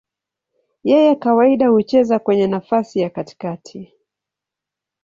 Yeye kawaida hucheza kwenye nafasi ya katikati.